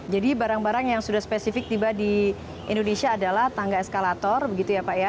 jadi barang barang yang sudah spesifik tiba di indonesia adalah tangga eskalator begitu ya pak